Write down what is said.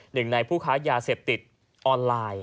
หนึ่งในผู้ค้ายาเสพติดออนไลน์